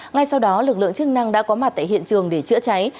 ngay sau đó lực lượng chức năng đã có mặt tại hiện trường để chữa cháy